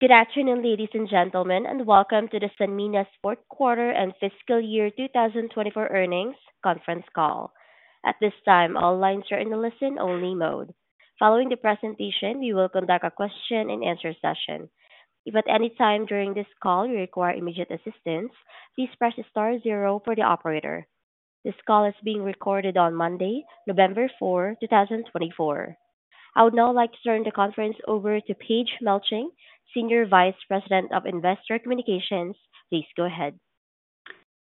Good afternoon, ladies and gentlemen, and welcome to the Sanmina 4th quarter and fiscal year 2024 earnings conference call. At this time, all lines are in the listen-only mode. Following the presentation, we will conduct a question-and-answer session. If at any time during this call you require immediate assistance, please press star zero for the operator. This call is being recorded on Monday, November 4, 2024. I would now like to turn the conference over to Paige Melching, Senior Vice President of Investor Communications. Please go ahead.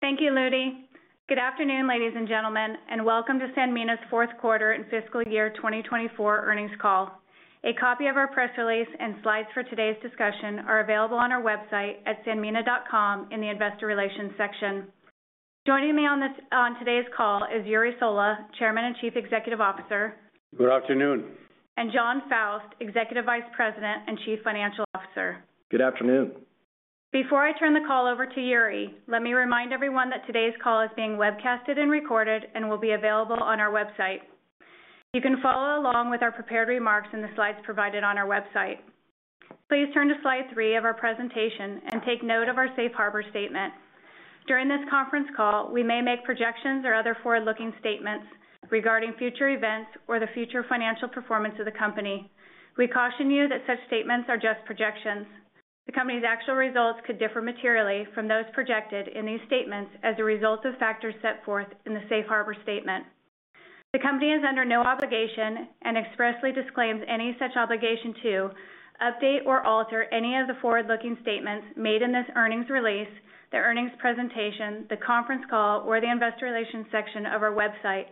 Thank you, Ludi. Good afternoon, ladies and gentlemen, and welcome to Sanmina's 4th quarter and fiscal year 2024 earnings call. A copy of our press release and slides for today's discussion are available on our website at Sanmina.com in the Investor Relations section. Joining me on today's call is Jure Sola, Chairman and Chief Executive Officer. Good afternoon. Jon Faust, Executive Vice President and Chief Financial Officer. Good afternoon. Before I turn the call over to Jure, let me remind everyone that today's call is being webcasted and recorded and will be available on our website. You can follow along with our prepared remarks in the slides provided on our website. Please turn to slide three of our presentation and take note of our Safe Harbor statement. During this conference call, we may make projections or other forward-looking statements regarding future events or the future financial performance of the company. We caution you that such statements are just projections. The company's actual results could differ materially from those projected in these statements as a result of factors set forth in the Safe Harbor statement. The company is under no obligation and expressly disclaims any such obligation to update or alter any of the forward-looking statements made in this earnings release, the earnings presentation, the conference call, or the investor relations section of our website,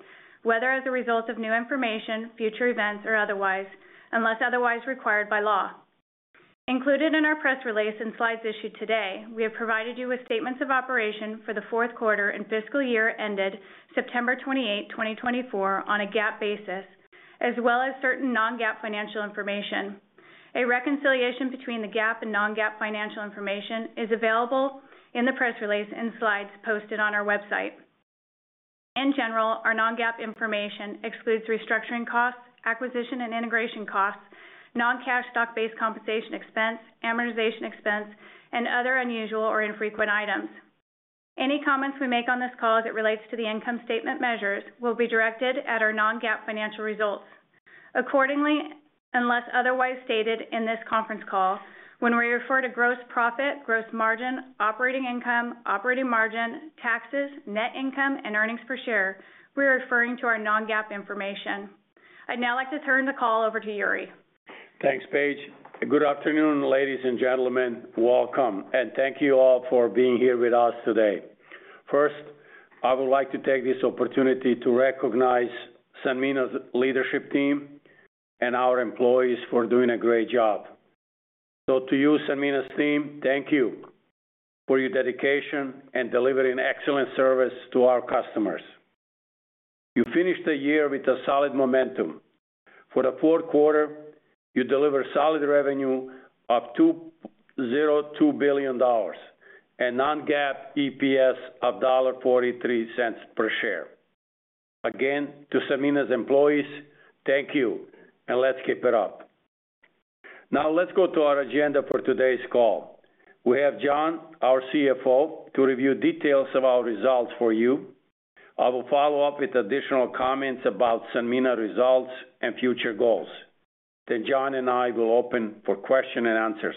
whether as a result of new information, future events, or otherwise, unless otherwise required by law. Included in our press release and slides issued today, we have provided you with statements of operations for the fourth quarter and fiscal year ended September 28, 2024, on a GAAP basis, as well as certain non-GAAP financial information. A reconciliation between the GAAP and non-GAAP financial information is available in the press release and slides posted on our website. In general, our non-GAAP information excludes restructuring costs, acquisition and integration costs, non-cash stock-based compensation expense, amortization expense, and other unusual or infrequent items. Any comments we make on this call as it relates to the income statement measures will be directed at our non-GAAP financial results. Accordingly, unless otherwise stated in this conference call, when we refer to gross profit, gross margin, operating income, operating margin, taxes, net income, and earnings per share, we are referring to our non-GAAP information. I'd now like to turn the call over to Jure. Thanks, Paige. Good afternoon, ladies and gentlemen. Welcome, and thank you all for being here with us today. First, I would like to take this opportunity to recognize Sanmina's leadership team and our employees for doing a great job. So to you, Sanmina's team, thank you for your dedication and delivering excellent service to our customers. You finished the year with a solid momentum. For the fourth quarter, you delivered solid revenue of $2.02 billion and non-GAAP EPS of $1.43 per share. Again, to Sanmina's employees, thank you, and let's keep it up. Now, let's go to our agenda for today's call. We have Jon, our CFO, to review details of our results for you. I will follow up with additional comments about Sanmina results and future goals. Then Jon and I will open for questions-and-answers.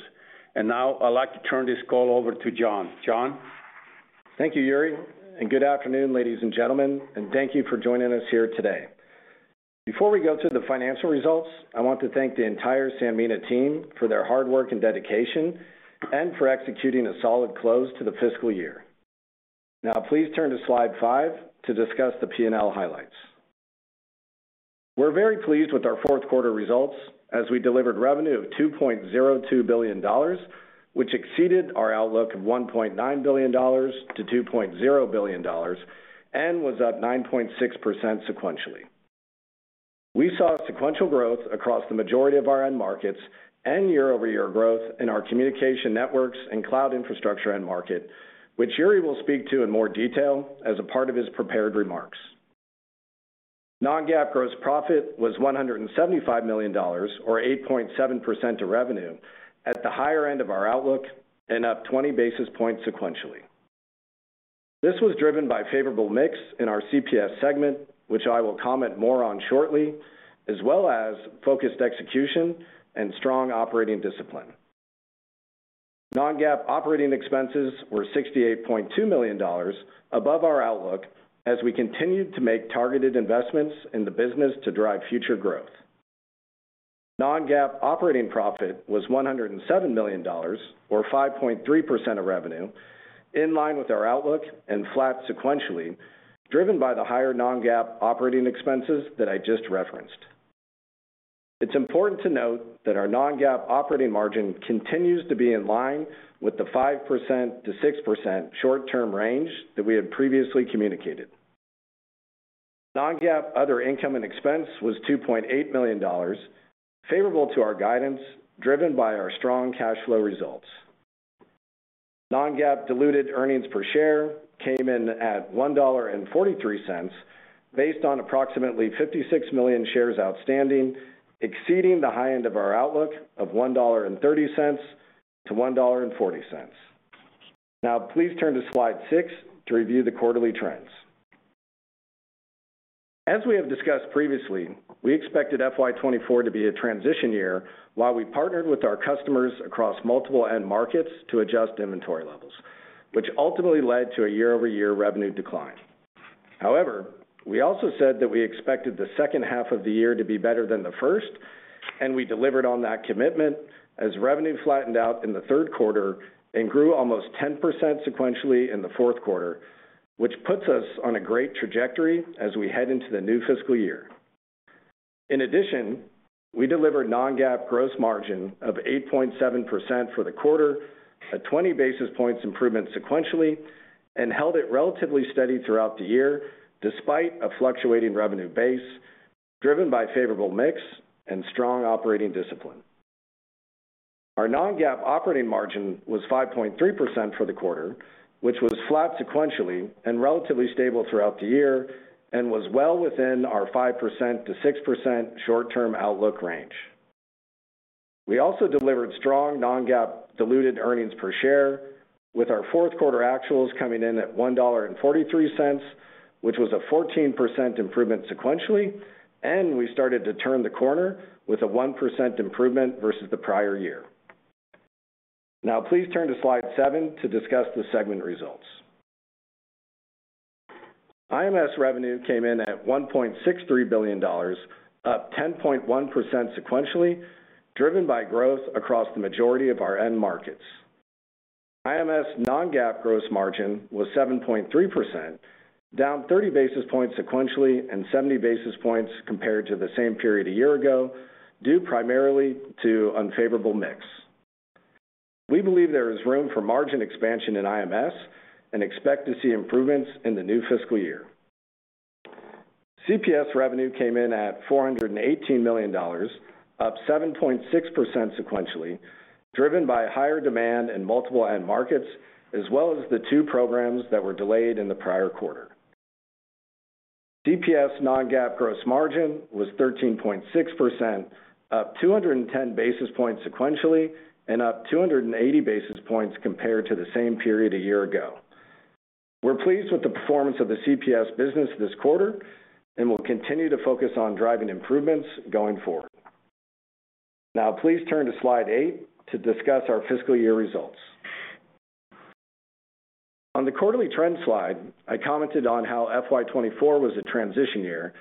And now, I'd like to turn this call over to Jon. Jon. Thank you, Jure. And good afternoon, ladies and gentlemen, and thank you for joining us here today. Before we go to the financial results, I want to thank the entire Sanmina team for their hard work and dedication and for executing a solid close to the fiscal year. Now, please turn to slide five to discuss the P&L highlights. We're very pleased with our fourth quarter results as we delivered revenue of $2.02 billion, which exceeded our outlook of $1.9 billion-$2.0 billion and was up 9.6% sequentially. We saw sequential growth across the majority of our end markets and year-over-year growth in our communication networks and cloud infrastructure end market, which Jure will speak to in more detail as a part of his prepared remarks. Non-GAAP gross profit was $175 million, or 8.7% of revenue, at the higher end of our outlook and up 20 basis points sequentially. This was driven by favorable mix in our CPS segment, which I will comment more on shortly, as well as focused execution and strong operating discipline. Non-GAAP operating expenses were $68.2 million above our outlook as we continued to make targeted investments in the business to drive future growth. Non-GAAP operating profit was $107 million, or 5.3% of revenue, in line with our outlook and flat sequentially, driven by the higher non-GAAP operating expenses that I just referenced. It's important to note that our non-GAAP operating margin continues to be in line with the 5%-6% short-term range that we had previously communicated. Non-GAAP other income and expense was $2.8 million, favorable to our guidance, driven by our strong cash flow results. Non-GAAP diluted earnings per share came in at $1.43 based on approximately 56 million shares outstanding, exceeding the high end of our outlook of $1.30-$1.40. Now, please turn to slide six to review the quarterly trends. As we have discussed previously, we expected FY 2024 to be a transition year while we partnered with our customers across multiple end markets to adjust inventory levels, which ultimately led to a year-over-year revenue decline. However, we also said that we expected the second half of the year to be better than the first, and we delivered on that commitment as revenue flattened out in the third quarter and grew almost 10% sequentially in the fourth quarter, which puts us on a great trajectory as we head into the new fiscal year. In addition, we delivered non-GAAP gross margin of 8.7% for the quarter, a 20 basis points improvement sequentially, and held it relatively steady throughout the year despite a fluctuating revenue base, driven by favorable mix and strong operating discipline. Our non-GAAP operating margin was 5.3% for the quarter, which was flat sequentially and relatively stable throughout the year and was well within our 5%-6% short-term outlook range. We also delivered strong non-GAAP diluted earnings per share, with our fourth quarter actuals coming in at $1.43, which was a 14% improvement sequentially, and we started to turn the corner with a 1% improvement versus the prior year. Now, please turn to slide seven to discuss the segment results. IMS revenue came in at $1.63 billion, up 10.1% sequentially, driven by growth across the majority of our end markets. IMS non-GAAP gross margin was 7.3%, down 30 basis points sequentially and 70 basis points compared to the same period a year ago, due primarily to unfavorable mix. We believe there is room for margin expansion in IMS and expect to see improvements in the new fiscal year. CPS revenue came in at $418 million, up 7.6% sequentially, driven by higher demand in multiple end markets, as well as the two programs that were delayed in the prior quarter. CPS non-GAAP gross margin was 13.6%, up 210 basis points sequentially and up 280 basis points compared to the same period a year ago. We're pleased with the performance of the CPS business this quarter and will continue to focus on driving improvements going forward. Now, please turn to slide eight to discuss our fiscal year results. On the quarterly trend slide, I commented on how FY 2024 was a transition year,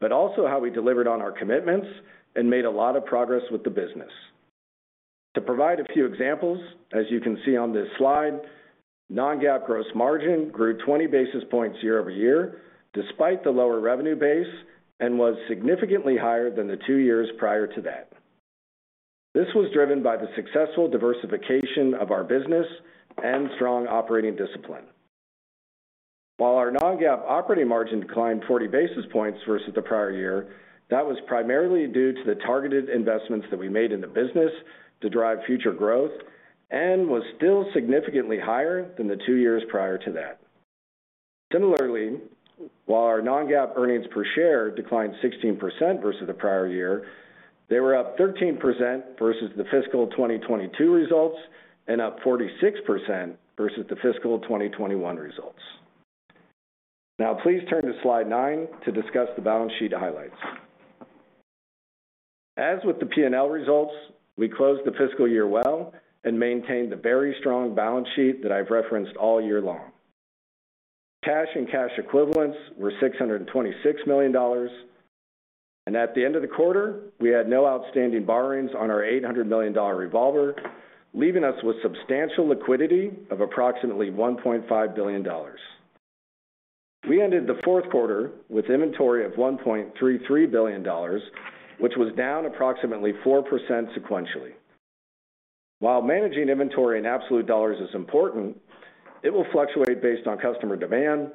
but also how we delivered on our commitments and made a lot of progress with the business. To provide a few examples, as you can see on this slide, non-GAAP gross margin grew 20 basis points year-over-year despite the lower revenue base and was significantly higher than the two years prior to that. This was driven by the successful diversification of our business and strong operating discipline. While our non-GAAP operating margin declined 40 basis points versus the prior year, that was primarily due to the targeted investments that we made in the business to drive future growth and was still significantly higher than the two years prior to that. Similarly, while our non-GAAP earnings per share declined 16% versus the prior year, they were up 13% versus the fiscal 2022 results and up 46% versus the fiscal 2021 results. Now, please turn to slide nine to discuss the balance sheet highlights. As with the P&L results, we closed the fiscal year well and maintained the very strong balance sheet that I've referenced all year long. Cash and cash equivalents were $626 million, and at the end of the quarter, we had no outstanding borrowings on our $800 million revolver, leaving us with substantial liquidity of approximately $1.5 billion. We ended the fourth quarter with inventory of $1.33 billion, which was down approximately 4% sequentially. While managing inventory in absolute dollars is important, it will fluctuate based on customer demand,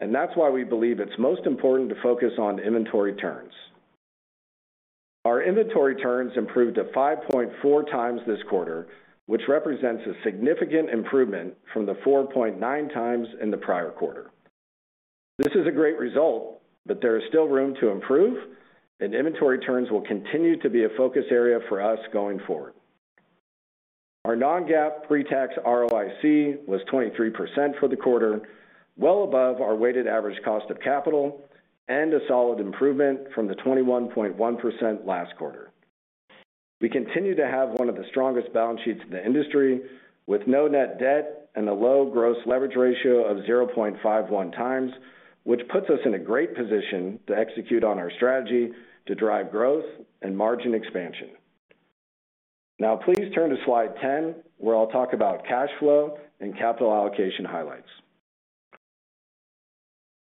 and that's why we believe it's most important to focus on inventory turns. Our inventory turns improved to 5.4x this quarter, which represents a significant improvement from the 4.9x in the prior quarter. This is a great result, but there is still room to improve, and inventory turns will continue to be a focus area for us going forward. Our non-GAAP pre-tax ROIC was 23% for the quarter, well above our weighted average cost of capital and a solid improvement from the 21.1% last quarter. We continue to have one of the strongest balance sheets in the industry, with no net debt and a low gross leverage ratio of 0.51x, which puts us in a great position to execute on our strategy to drive growth and margin expansion. Now, please turn to slide ten, where I'll talk about cash flow and capital allocation highlights.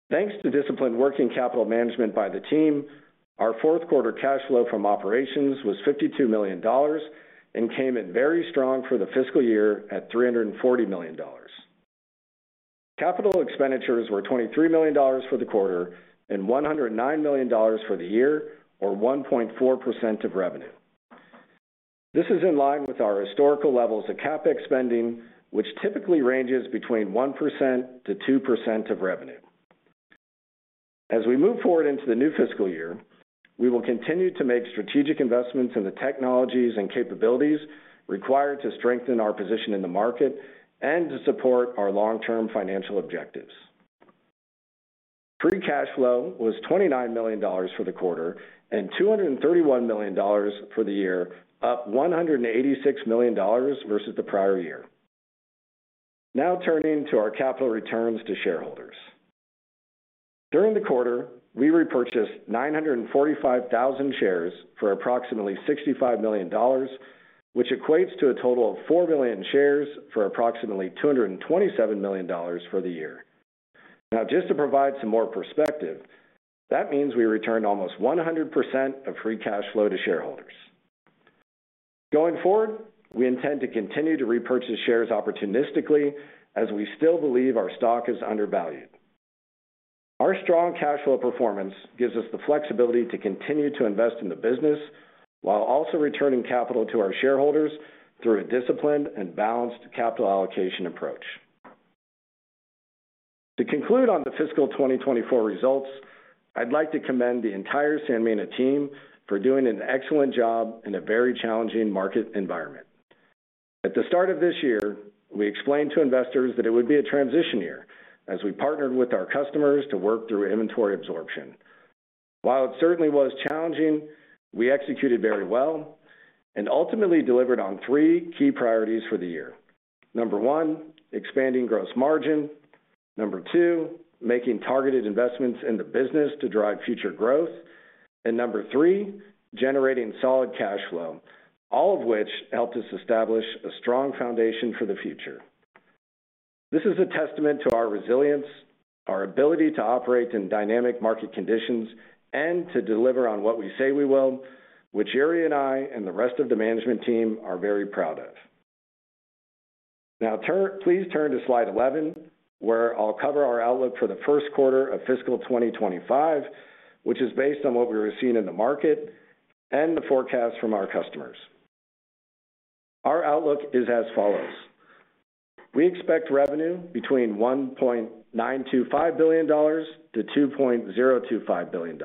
Thanks to disciplined working capital management by the team, our fourth quarter cash flow from operations was $52 million and came in very strong for the fiscal year at $340 million. Capital expenditures were $23 million for the quarter and $109 million for the year, or 1.4% of revenue. This is in line with our historical levels of CapEx spending, which typically ranges between 1%-2% of revenue. As we move forward into the new fiscal year, we will continue to make strategic investments in the technologies and capabilities required to strengthen our position in the market and to support our long-term financial objectives. Free cash flow was $29 million for the quarter and $231 million for the year, up $186 million versus the prior year. Now, turning to our capital returns to shareholders. During the quarter, we repurchased 945,000 shares for approximately $65 million, which equates to a total of 4 million shares for approximately $227 million for the year. Now, just to provide some more perspective, that means we returned almost 100% of free cash flow to shareholders. Going forward, we intend to continue to repurchase shares opportunistically as we still believe our stock is undervalued. Our strong cash flow performance gives us the flexibility to continue to invest in the business while also returning capital to our shareholders through a disciplined and balanced capital allocation approach. To conclude on the fiscal 2024 results, I'd like to commend the entire Sanmina team for doing an excellent job in a very challenging market environment. At the start of this year, we explained to investors that it would be a transition year as we partnered with our customers to work through inventory absorption. While it certainly was challenging, we executed very well and ultimately delivered on three key priorities for the year. Number one, expanding gross margin. Number two, making targeted investments in the business to drive future growth. And number three, generating solid cash flow, all of which helped us establish a strong foundation for the future. This is a testament to our resilience, our ability to operate in dynamic market conditions, and to deliver on what we say we will, which Jure and I and the rest of the management team are very proud of. Now, please turn to slide 11, where I'll cover our outlook for the first quarter of fiscal 2025, which is based on what we were seeing in the market and the forecast from our customers. Our outlook is as follows. We expect revenue between $1.925 billion-$2.025 billion,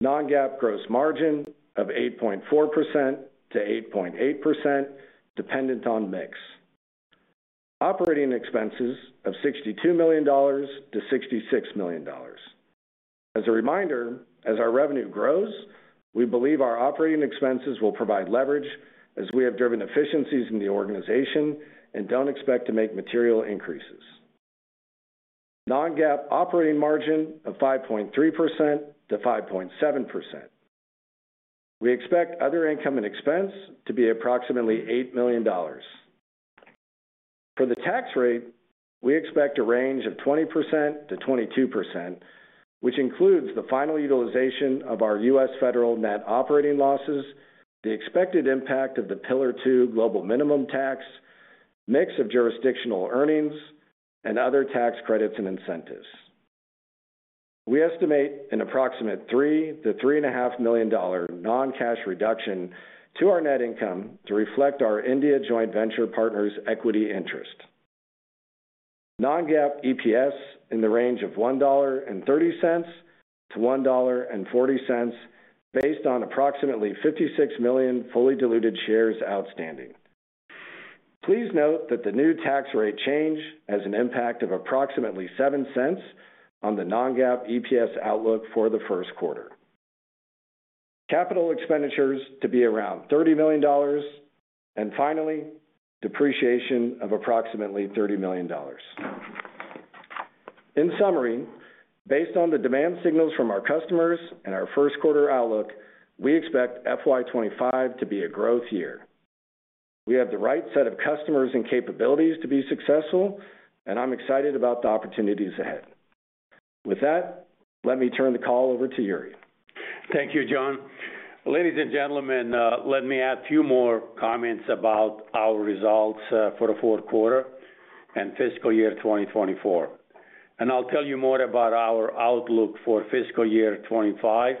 non-GAAP gross margin of 8.4%-8.8%, dependent on mix, operating expenses of $62 million-$66 million. As a reminder, as our revenue grows, we believe our operating expenses will provide leverage as we have driven efficiencies in the organization and don't expect to make material increases. Non-GAAP operating margin of 5.3%-5.7%. We expect other income and expense to be approximately $8 million. For the tax rate, we expect a range of 20%-22%, which includes the final utilization of our U.S. federal net operating losses, the expected impact of the Pillar Two global minimum tax, mix of jurisdictional earnings, and other tax credits and incentives. We estimate an approximate $3 million-$3.5 million non-cash reduction to our net income to reflect our India joint venture partners' equity interest. Non-GAAP EPS in the range of $1.30-$1.40 based on approximately 56 million fully diluted shares outstanding. Please note that the new tax rate change has an impact of approximately $0.07 on the non-GAAP EPS outlook for the first quarter. Capital expenditures to be around $30 million. And finally, depreciation of approximately $30 million. In summary, based on the demand signals from our customers and our first quarter outlook, we expect FY 2025 to be a growth year. We have the right set of customers and capabilities to be successful, and I'm excited about the opportunities ahead. With that, let me turn the call over to Jure. Thank you, Jon. Ladies and gentlemen, let me add a few more comments about our results for the fourth quarter and fiscal year 2024, and I'll tell you more about our outlook for fiscal year 25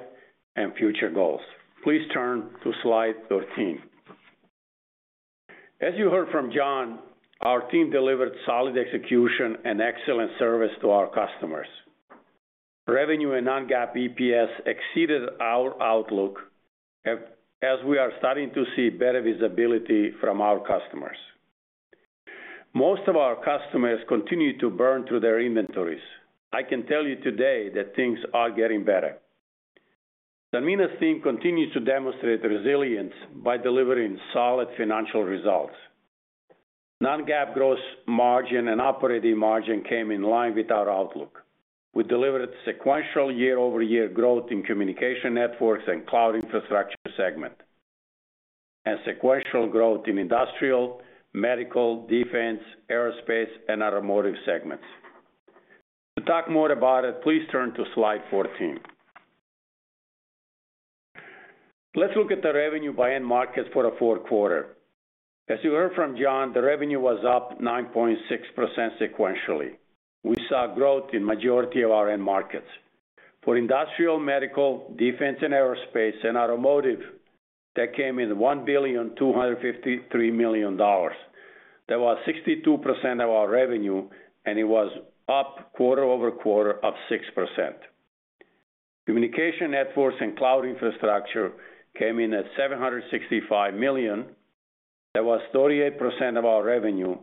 and future goals. Please turn to slide 13. As you heard from Jon, our team delivered solid execution and excellent service to our customers. Revenue and non-GAAP EPS exceeded our outlook as we are starting to see better visibility from our customers. Most of our customers continue to burn through their inventories. I can tell you today that things are getting better. Sanmina's team continues to demonstrate resilience by delivering solid financial results. Non-GAAP gross margin and operating margin came in line with our outlook. We delivered sequential year-over-year growth in communication networks and cloud infrastructure segment, and sequential growth in industrial, medical, defense, aerospace, and automotive segments. To talk more about it, please turn to slide 14. Let's look at the revenue by end markets for the fourth quarter. As you heard from Jon, the revenue was up 9.6% sequentially. We saw growth in the majority of our end markets. For industrial, medical, defense, and aerospace, and automotive, that came in $1,253 million. That was 62% of our revenue, and it was up quarter-over-quarter of 6%. Communication networks and cloud infrastructure came in at $765 million. That was 38% of our revenue,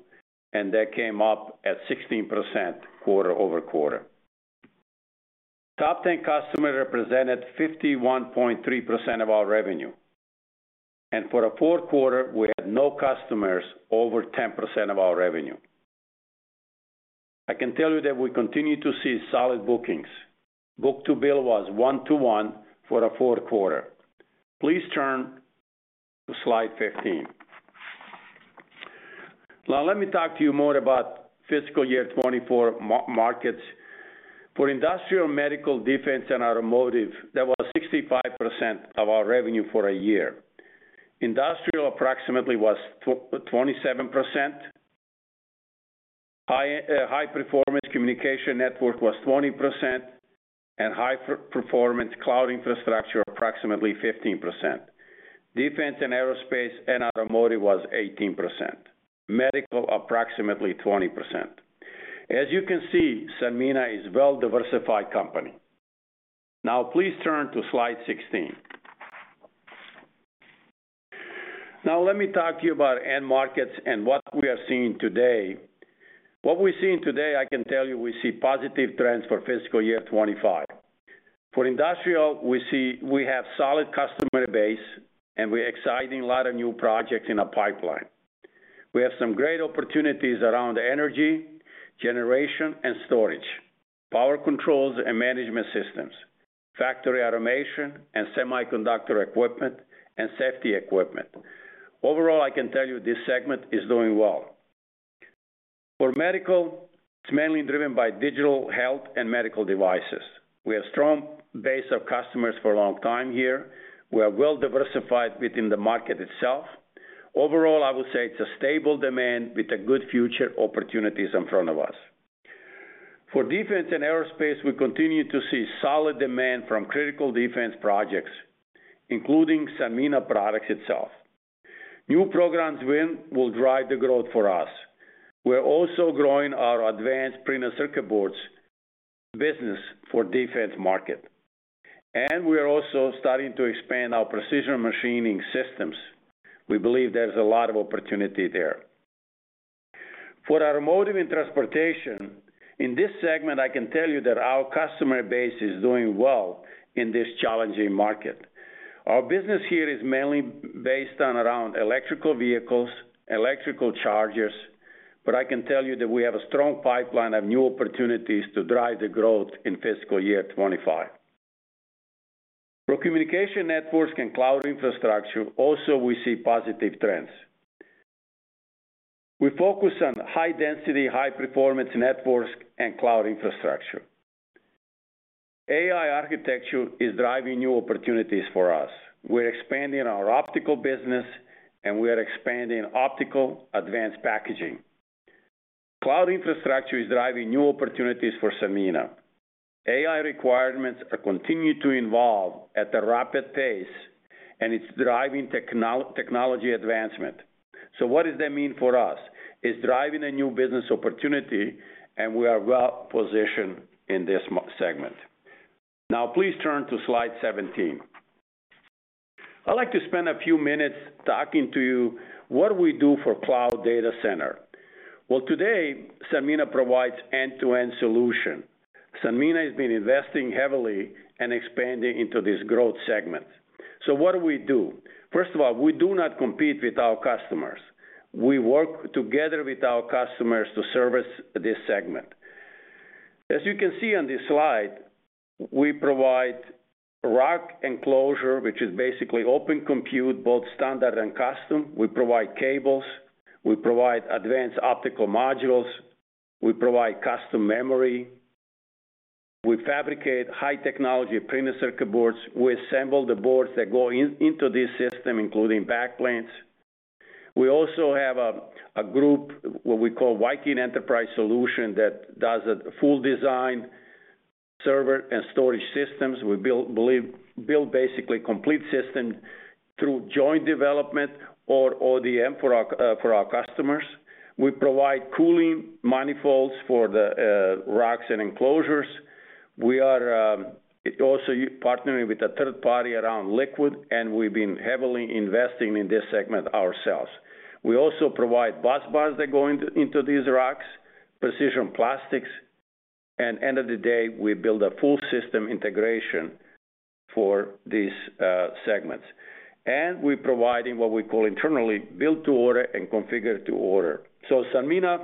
and that came up at 16% quarter-over-quarter. Top 10 customers represented 51.3% of our revenue. For the fourth quarter, we had no customers over 10% of our revenue. I can tell you that we continue to see solid bookings. Book-to-Bill was 1-to-1 for the fourth quarter. Please turn to slide 15. Now, let me talk to you more about fiscal year 2024 markets. For industrial, medical, defense, and automotive, that was 65% of our revenue for a year. Industrial approximately was 27%. High-performance communication network was 20%, and high-performance cloud infrastructure approximately 15%. Defense and aerospace and automotive was 18%. Medical approximately 20%. As you can see, Sanmina is a well-diversified company. Now, please turn to slide 16. Now, let me talk to you about end markets and what we are seeing today. What we're seeing today, I can tell you we see positive trends for fiscal year 2025. For industrial, we have a solid customer base, and we're executing a lot of new projects in our pipeline. We have some great opportunities around energy, generation, and storage, power controls and management systems, factory automation, and semiconductor equipment and safety equipment. Overall, I can tell you this segment is doing well. For medical, it's mainly driven by digital health and medical devices. We have a strong base of customers for a long time here. We are well-diversified within the market itself. Overall, I would say it's a stable demand with good future opportunities in front of us. For defense and aerospace, we continue to see solid demand from critical defense projects, including Sanmina products itself. New programs will drive the growth for us. We're also growing our advanced printed circuit boards business for the defense market and we are also starting to expand our precision machining systems. We believe there's a lot of opportunity there. For automotive and transportation, in this segment, I can tell you that our customer base is doing well in this challenging market. Our business here is mainly based around electric vehicles, electric chargers, but I can tell you that we have a strong pipeline of new opportunities to drive the growth in fiscal year 2025. For communication networks and cloud infrastructure, also we see positive trends. We focus on high-density, high-performance networks and cloud infrastructure. AI architecture is driving new opportunities for us. We're expanding our optical business, and we are expanding optical advanced packaging. Cloud infrastructure is driving new opportunities for Sanmina. AI requirements continue to evolve at a rapid pace, and it's driving technology advancement. So what does that mean for us? It's driving a new business opportunity, and we are well-positioned in this segment. Now, please turn to slide 17. I'd like to spend a few minutes talking to you about what we do for cloud data center. Today, Sanmina provides an end-to-end solution. Sanmina has been investing heavily and expanding into this growth segment. So what do we do? First of all, we do not compete with our customers. We work together with our customers to service this segment. As you can see on this slide, we provide rack enclosure, which is basically Open Compute, both standard and custom. We provide cables. We provide advanced optical modules. We provide custom memory. We fabricate high-technology printed circuit boards. We assemble the boards that go into this system, including backplanes. We also have a group, what we call Viking Enterprise Solutions, that does a full design, server, and storage systems. We build basically complete systems through joint development or ODM for our customers. We provide cooling manifolds for the racks and enclosures. We are also partnering with a third party around liquid, and we've been heavily investing in this segment ourselves. We also provide busbars that go into these racks, precision plastics, and at the end of the day, we build a full system integration for these segments. And we're providing what we call internally built-to-order and configured-to-order. So Sanmina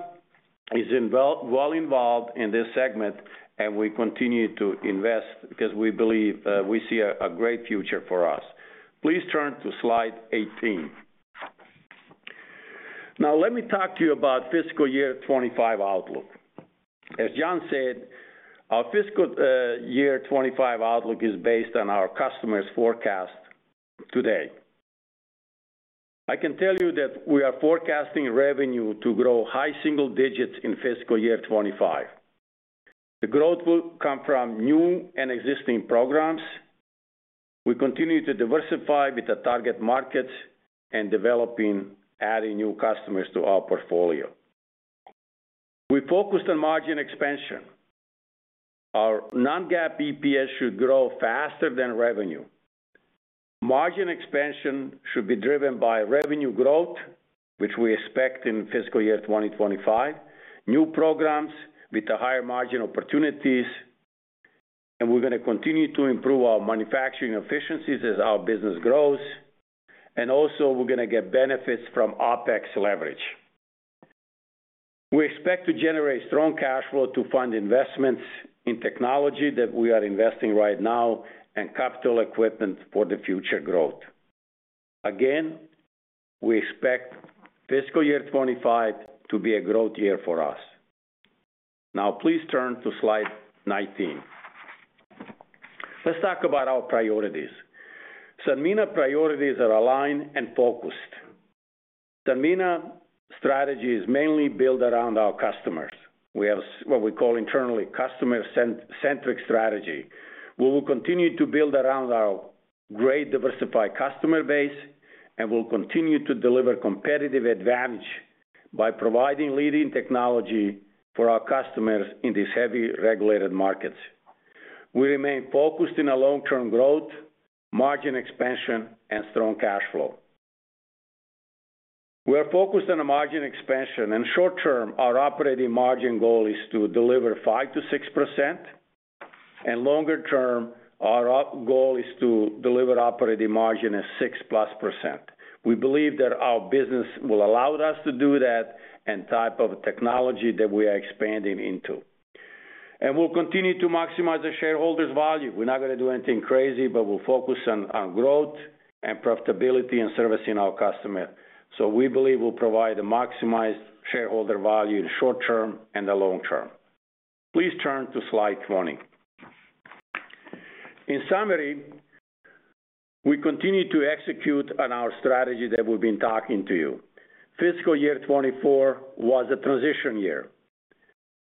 is well involved in this segment, and we continue to invest because we believe we see a great future for us. Please turn to slide 18. Now, let me talk to you about fiscal year 2025 outlook. As Jon said, our fiscal year 2025 outlook is based on our customers' forecast today. I can tell you that we are forecasting revenue to grow high single digits in fiscal year 2025. The growth will come from new and existing programs. We continue to diversify with target markets and developing, adding new customers to our portfolio. We focused on margin expansion. Our non-GAAP EPS should grow faster than revenue. Margin expansion should be driven by revenue growth, which we expect in fiscal year 2025, new programs with higher margin opportunities, and we're going to continue to improve our manufacturing efficiencies as our business grows, and also we're going to get benefits from OpEx leverage. We expect to generate strong cash flow to fund investments in technology that we are investing right now and capital equipment for the future growth. Again, we expect fiscal year 2025 to be a growth year for us. Now, please turn to slide 19. Let's talk about our priorities. Sanmina priorities are aligned and focused. Sanmina strategy is mainly built around our customers. We have what we call internally customer-centric strategy. We will continue to build around our great diversified customer base, and we'll continue to deliver competitive advantage by providing leading technology for our customers in these heavily regulated markets. We remain focused on long-term growth, margin expansion, and strong cash flow. We are focused on margin expansion. In the short term, our operating margin goal is to deliver 5%-6%. In the longer term, our goal is to deliver operating margin at 6%+. We believe that our business will allow us to do that and the type of technology that we are expanding into. And we'll continue to maximize the shareholders' value. We're not going to do anything crazy, but we'll focus on growth and profitability and servicing our customers. So we believe we'll provide maximized shareholder value in the short term and the long term. Please turn to slide 20. In summary, we continue to execute on our strategy that we've been talking to you. Fiscal year 2024 was a transition year.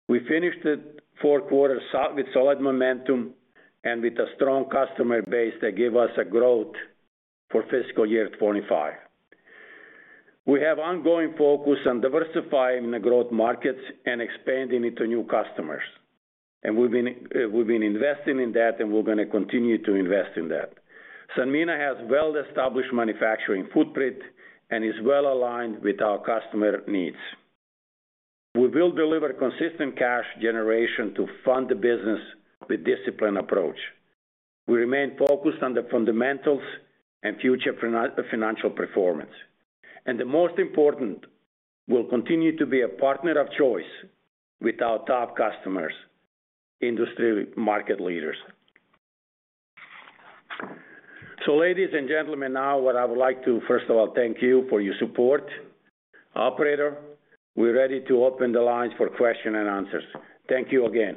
We finished the fourth quarter with solid momentum and with a strong customer base that gave us growth for fiscal year 2025. We have ongoing focus on diversifying the growth markets and expanding into new customers, and we've been investing in that, and we're going to continue to invest in that. Sanmina has a well-established manufacturing footprint and is well aligned with our customer needs. We will deliver consistent cash generation to fund the business with a disciplined approach. We remain focused on the fundamentals and future financial performance, and the most important, we'll continue to be a partner of choice with our top customers, industry market leaders, so ladies and gentlemen, now I would like to, first of all, thank you for your support. Operator, we're ready to open the lines for questions-and-answers. Thank you again.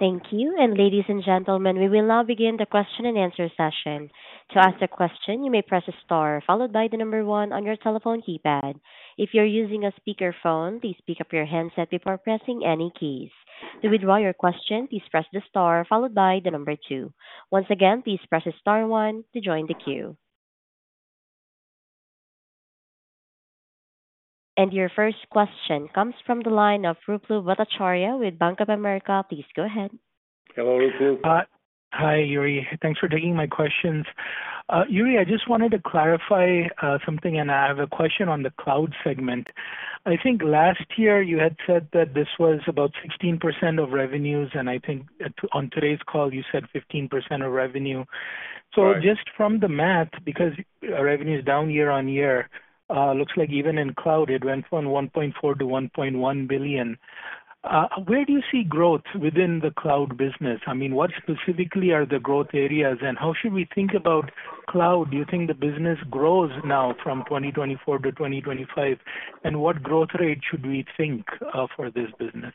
Thank you. Ladies and gentlemen, we will now begin the question-and-answer session. To ask a question, you may press a star followed by the number one on your telephone keypad. If you're using a speakerphone, please pick up your handset before pressing any keys. To withdraw your question, please press the star followed by the number two. Once again, please press star one to join the queue. And your first question comes from the line of Ruplu Bhattacharya with Bank of America. Please go ahead. Hello, Ruplu. Hi, Jure. Thanks for taking my questions. Jure, I just wanted to clarify something, and I have a question on the cloud segment. I think last year you had said that this was about 16% of revenues, and I think on today's call, you said 15% of revenue. So just from the math, because revenue is down year-on-year, it looks like even in cloud, it went from $1.4 billion to $1.1 billion. Where do you see growth within the cloud business? I mean, what specifically are the growth areas, and how should we think about cloud? Do you think the business grows now from 2024 to 2025? And what growth rate should we think for this business?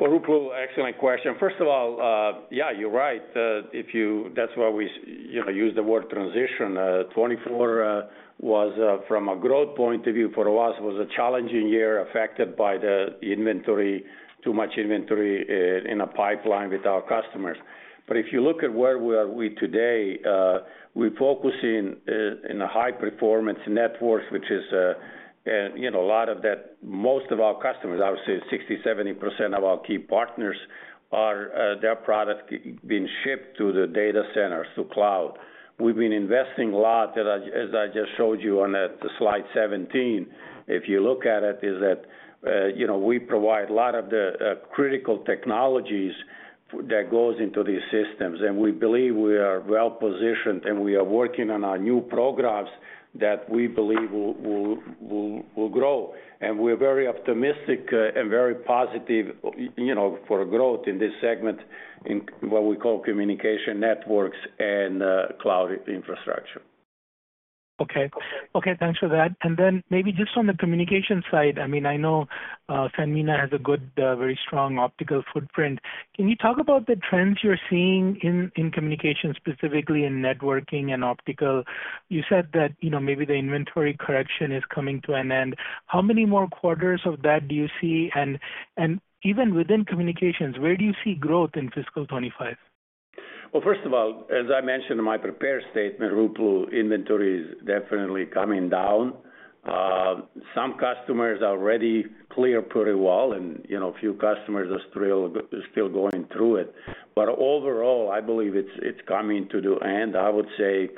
Well, Ruplu, excellent question. First of all, yeah, you're right. That's why we use the word transition. 2024 was, from a growth point of view for us, a challenging year affected by the inventory, too much inventory in a pipeline with our customers. But if you look at where we are today, we're focusing on high-performance networks, which is a lot of that. Most of our customers, I would say 60%-70% of our key partners, their product has been shipped to the data centers, to cloud. We've been investing a lot, as I just showed you on slide 17. If you look at it, we provide a lot of the critical technologies that go into these systems. And we believe we are well-positioned, and we are working on our new programs that we believe will grow. And we're very optimistic and very positive for growth in this segment, in what we call communication networks and cloud infrastructure. Okay. Okay. Thanks for that. And then maybe just on the communication side, I mean, I know Sanmina has a good, very strong optical footprint. Can you talk about the trends you're seeing in communications, specifically in networking and optical? You said that maybe the inventory correction is coming to an end. How many more quarters of that do you see? And even within communications, where do you see growth in fiscal 2025? Well, first of all, as I mentioned in my prepared statement, Ruplu, inventory is definitely coming down. Some customers are already cleared pretty well, and a few customers are still going through it. But overall, I believe it's coming to the end. I would say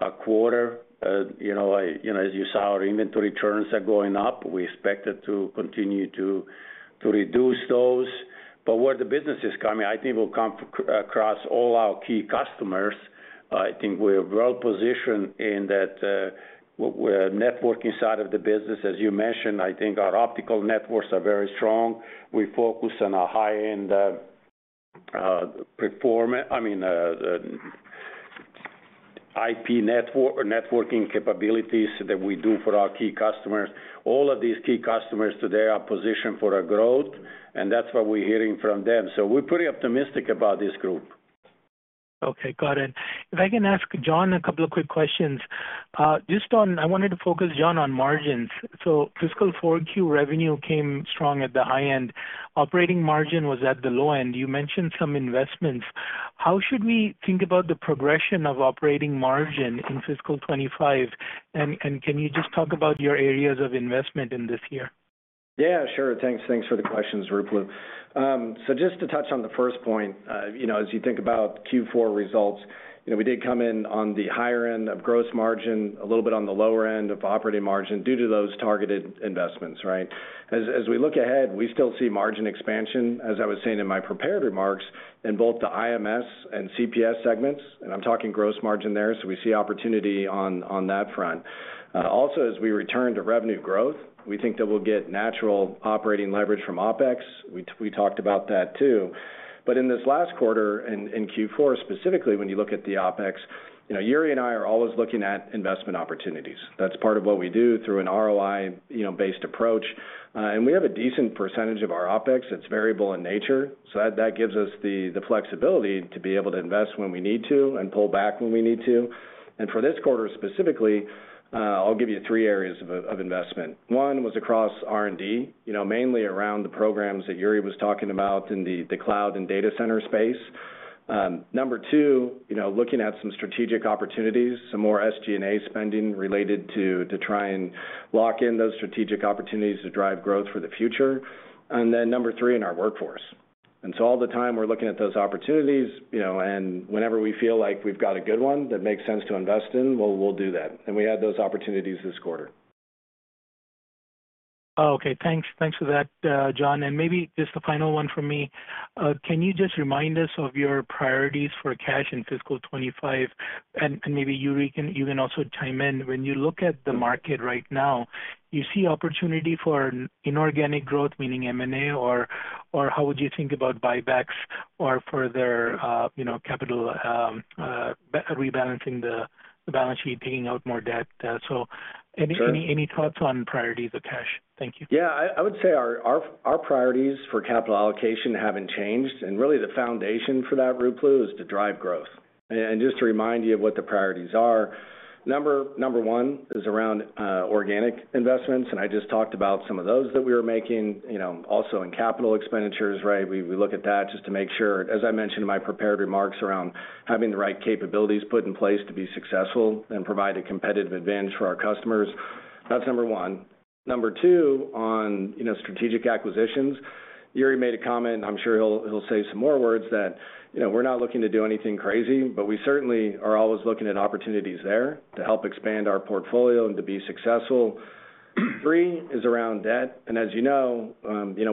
a quarter, as you saw, our inventory turns are going up. We expect it to continue to reduce those. But where the business is coming, I think it will come across all our key customers. I think we're well-positioned in that networking side of the business. As you mentioned, I think our optical networks are very strong. We focus on our high-end, I mean, IP networking capabilities that we do for our key customers. All of these key customers today are positioned for growth, and that's what we're hearing from them. So we're pretty optimistic about this group. Okay. Got it. If I can ask Jon a couple of quick questions. Just on, I wanted to focus, Jon, on margins. So fiscal 4Q revenue came strong at the high end. Operating margin was at the low end. You mentioned some investments. How should we think about the progression of operating margin in fiscal 25? And can you just talk about your areas of investment in this year? Yeah, sure. Thanks. Thanks for the questions, Ruplu. So just to touch on the first point, as you think about Q4 results, we did come in on the higher end of gross margin, a little bit on the lower end of operating margin due to those targeted investments, right? As we look ahead, we still see margin expansion, as I was saying in my prepared remarks, in both the IMS and CPS segments. And I'm talking gross margin there, so we see opportunity on that front. Also, as we return to revenue growth, we think that we'll get natural operating leverage from OpEx. We talked about that too. But in this last quarter, in Q4, specifically, when you look at the OpEx, Jure and I are always looking at investment opportunities. That's part of what we do through an ROI-based approach. And we have a decent percentage of our OpEx that's variable in nature. So that gives us the flexibility to be able to invest when we need to and pull back when we need to. And for this quarter, specifically, I'll give you three areas of investment. One was across R&D, mainly around the programs that Jure was talking about in the cloud and data center space. Number two, looking at some strategic opportunities, some more SG&A spending related to try and lock in those strategic opportunities to drive growth for the future. And then number three, in our workforce. And so all the time, we're looking at those opportunities. And whenever we feel like we've got a good one that makes sense to invest in, we'll do that. And we had those opportunities this quarter. Okay. Thanks. Thanks for that, Jon. And maybe just the final one from me. Can you just remind us of your priorities for cash in fiscal 2025? And maybe Jure, you can also chime in. When you look at the market right now, you see opportunity for inorganic growth, meaning M&A, or how would you think about buybacks or further capital rebalancing the balance sheet, taking out more debt? So any thoughts on priorities of cash? Thank you. Yeah. I would say our priorities for capital allocation haven't changed. And really, the foundation for that, Ruplu, is to drive growth. And just to remind you of what the priorities are, number one is around organic investments. And I just talked about some of those that we were making. Also, in capital expenditures, right, we look at that just to make sure. As I mentioned in my prepared remarks around having the right capabilities put in place to be successful and provide a competitive advantage for our customers. That's number one. Number two, on strategic acquisitions, Jure made a comment, and I'm sure he'll say some more words, that we're not looking to do anything crazy, but we certainly are always looking at opportunities there to help expand our portfolio and to be successful. Three is around debt, and as you know,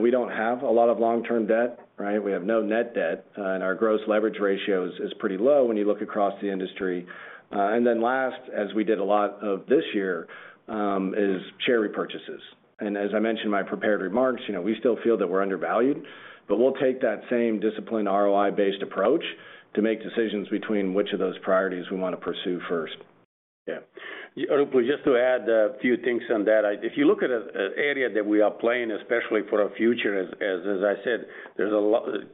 we don't have a lot of long-term debt, right? We have no net debt, and our gross leverage ratio is pretty low when you look across the industry, and then last, as we did a lot of this year, is share repurchases, and as I mentioned in my prepared remarks, we still feel that we're undervalued, but we'll take that same discipline, ROI-based approach, to make decisions between which of those priorities we want to pursue first. Yeah. Ruplu, just to add a few things on that. If you look at an area that we are playing, especially for our future, as I said,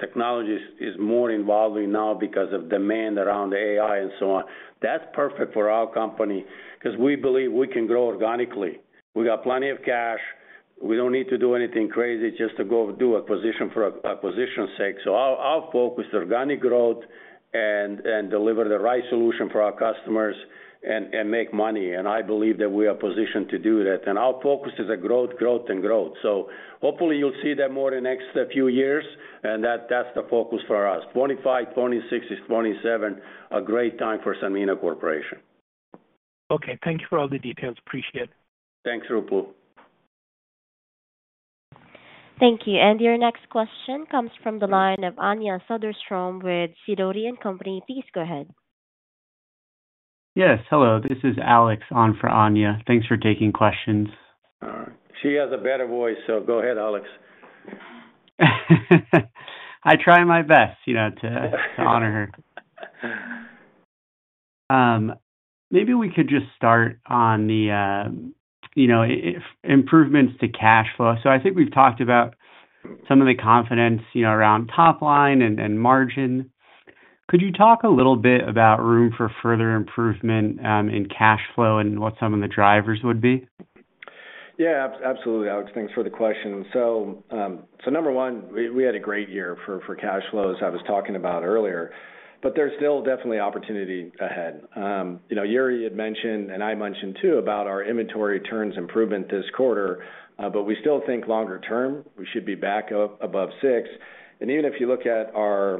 technology is more evolving now because of demand around AI and so on. That's perfect for our company because we believe we can grow organically. We got plenty of cash. We don't need to do anything crazy just to go do acquisition for acquisition's sake. So our focus is organic growth and deliver the right solution for our customers and make money. And I believe that we are positioned to do that. And our focus is growth, growth, and growth. So hopefully, you'll see that more in the next few years, and that's the focus for us. 2025, 2026 is 2027, a great time for Sanmina Corporation. Okay. Thank you for all the details. Appreciate it. Thanks, Ruplu. Thank you. And your next question comes from the line of Anja Soderstrom with Sidoti & Company. Please go ahead. Yes. Hello. This is Alex, on for Anja. Thanks for taking questions. She has a better voice, so go ahead, Alex. I try my best to honor her. Maybe we could just start on the improvements to cash flow. So I think we've talked about some of the confidence around top line and margin. Could you talk a little bit about room for further improvement in cash flow and what some of the drivers would be? Yeah. Absolutely, Alex. Thanks for the question. So number one, we had a great year for cash flows, as I was talking about earlier. But there's still definitely opportunity ahead. Jure had mentioned, and I mentioned too, about our inventory turns improvement this quarter. But we still think longer term, we should be back above six. And even if you look at our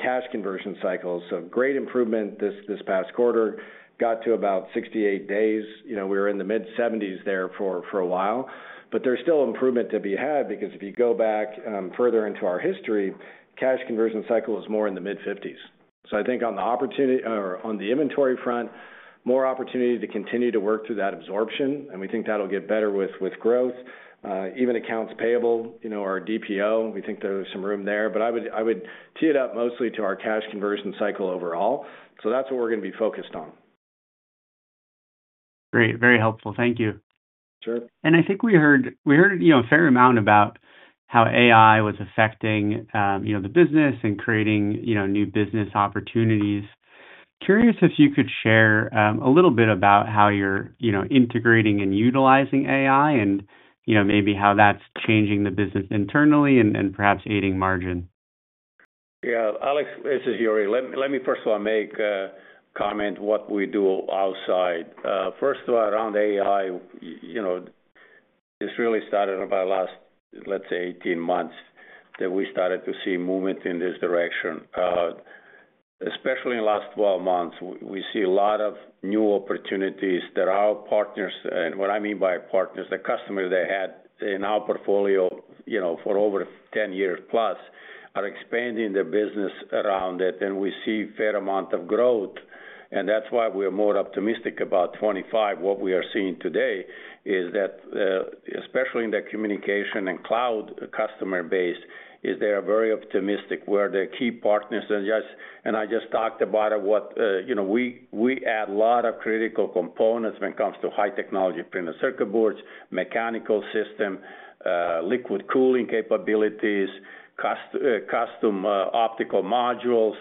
cash conversion cycles, so great improvement this past quarter, got to about 68 days. We were in the mid-70s there for a while. But there's still improvement to be had because if you go back further into our history, cash conversion cycle was more in the mid-50s. So I think on the inventory front, more opportunity to continue to work through that absorption. And we think that'll get better with growth. Even accounts payable, our DPO, we think there's some room there. But I would tee it up mostly to our cash conversion cycle overall. So that's what we're going to be focused on. Great. Very helpful. Thank you. Sure. And I think we heard a fair amount about how AI was affecting the business and creating new business opportunities. Curious if you could share a little bit about how you're integrating and utilizing AI and maybe how that's changing the business internally and perhaps aiding margin? Yeah. Alex, this is Jure. Let me, first of all, make a comment on what we do outside. First of all, around AI, this really started about last, let's say, 18 months that we started to see movement in this direction. Especially in the last 12 months, we see a lot of new opportunities that our partners, and what I mean by partners, the customers they had in our portfolio for over 10 years+, are expanding their business around it. And we see a fair amount of growth. And that's why we are more optimistic about 2025. What we are seeing today is that, especially in the communication and cloud customer base, they are very optimistic where their key partners, and I just talked about what we add a lot of critical components when it comes to high technology printed circuit boards, mechanical system, liquid cooling capabilities, custom optical modules.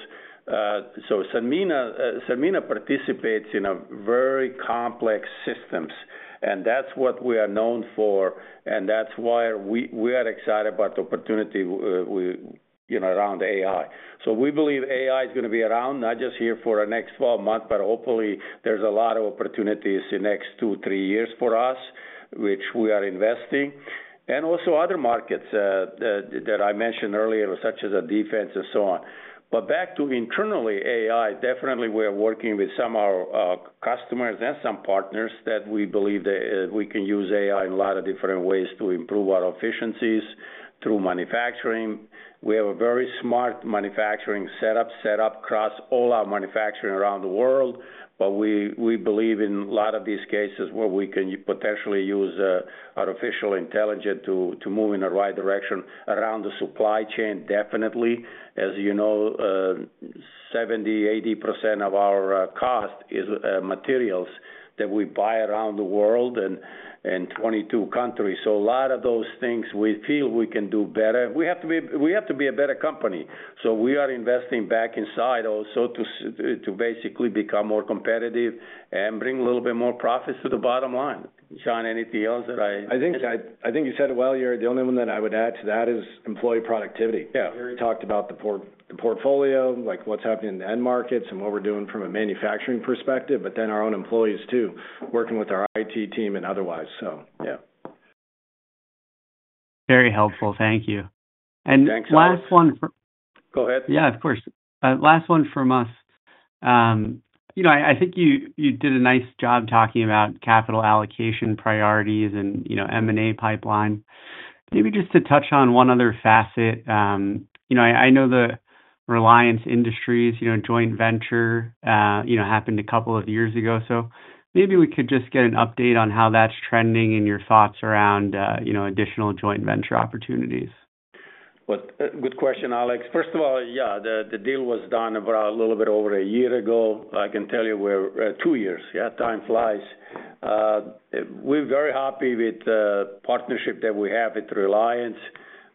So Sanmina participates in very complex systems. And that's what we are known for. And that's why we are excited about the opportunity around AI. So we believe AI is going to be around, not just here for our next 12 months, but hopefully, there's a lot of opportunities in the next two, three years for us, which we are investing. And also other markets that I mentioned earlier, such as defense and so on. But back to internally, AI. Definitely we are working with some of our customers and some partners that we believe that we can use AI in a lot of different ways to improve our efficiencies through manufacturing. We have a very smart manufacturing setup across all our manufacturing around the world. But we believe in a lot of these cases where we can potentially use artificial intelligence to move in the right direction around the supply chain, definitely. As you know, 70%-80% of our cost is materials that we buy around the world and in 22 countries. So a lot of those things we feel we can do better. We have to be a better company. So we are investing back inside also to basically become more competitive and bring a little bit more profits to the bottom line. Jon, anything else that I think you said it well. The only one that I would add to that is employee productivity. Jure talked about the portfolio, what's happening in the end markets and what we're doing from a manufacturing perspective, but then our own employees too, working with our IT team and otherwise. So yeah. Very helpful. Thank you. And last one. Go ahead. Yeah, of course. Last one from us. I think you did a nice job talking about capital allocation priorities and M&A pipeline. Maybe just to touch on one other facet. I know the Reliance Industries joint venture happened a couple of years ago. So maybe we could just get an update on how that's trending and your thoughts around additional joint venture opportunities. Good question, Alex. First of all, yeah, the deal was done a little bit over a year ago. I can tell you we're two years. Yeah, time flies. We're very happy with the partnership that we have with Reliance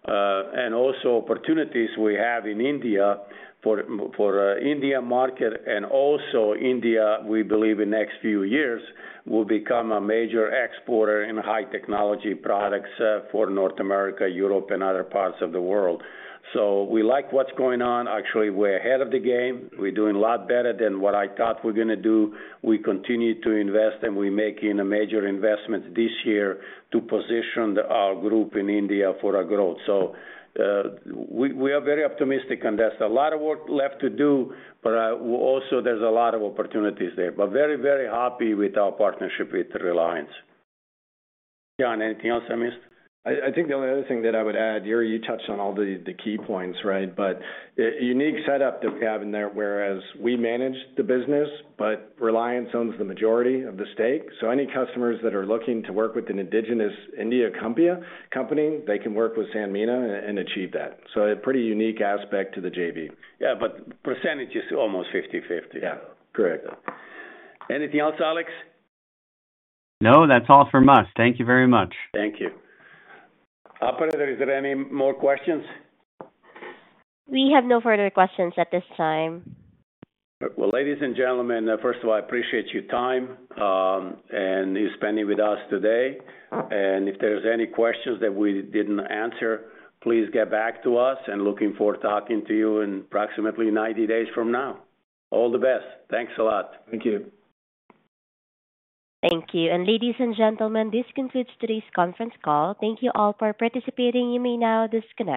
and also opportunities we have in India for India market, and also India, we believe in the next few years, will become a major exporter in high technology products for North America, Europe, and other parts of the world, so we like what's going on. Actually, we're ahead of the game. We're doing a lot better than what I thought we're going to do. We continue to invest, and we're making major investments this year to position our group in India for our growth, so we are very optimistic, and there's a lot of work left to do, but also there's a lot of opportunities there, but very, very happy with our partnership with Reliance. Jon, anything else I missed? I think the only other thing that I would add, Jure, you touched on all the key points, right? But unique setup that we have in there, whereas we manage the business, but Reliance owns the majority of the stake. So any customers that are looking to work with an indigenous India company, they can work with Sanmina and achieve that. So a pretty unique aspect to the JV. Yeah, but percentage is almost 50/50. Yeah, correct. Anything else, Alex? No, that's all from us. Thank you very much. Thank you. Operator, is there any more questions? We have no further questions at this time. Well, ladies and gentlemen, first of all, I appreciate your time and you spending with us today. And if there's any questions that we didn't answer, please get back to us. And looking forward to talking to you in approximately 90 days from now. All the best. Thanks a lot. Thank you. Thank you. Ladies and gentlemen, this concludes today's conference call. Thank you all for participating. You may now disconnect.